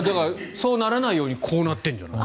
そうならないようにこうなってるんじゃない？